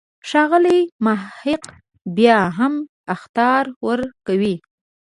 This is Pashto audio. ښاغلی محق بیا هم اخطار ورکوي.